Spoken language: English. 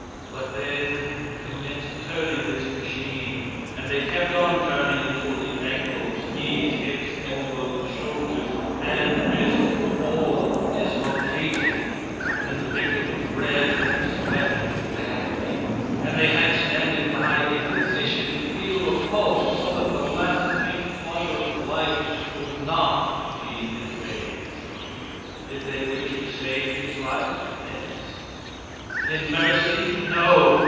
But then commenced turning this machine, and they kept on turning until the ankles, knees, hips, elbows, shoulders and wrists were all dislocated and the victim was red with the sweat of agony, and they had standing by a physician to feel the pulse, so that the last faint flutter of life would not leave his veins. Did they wish to save his life? Yes. In mercy? No!